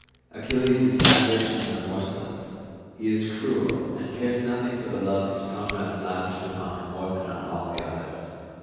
Achilles is savage and remorseless; he is cruel, and cares nothing for the love his comrades lavished upon him more than on all the others.